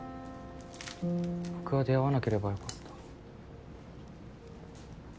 僕は出逢わなければよかった。